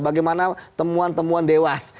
bagaimana temuan temuan dewas